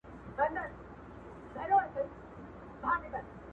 تر دې وروسته نور نو داسې جملي کمي شته